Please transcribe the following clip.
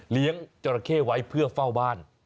เลี้ยงจราเข้ไว้เพื่อเฝ้าบ้าน